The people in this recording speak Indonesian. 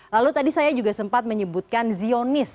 lalu tadi saya juga sempat menyebutkan zionis